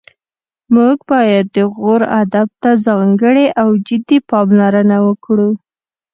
موږ باید د غور ادب ته ځانګړې او جدي پاملرنه وکړو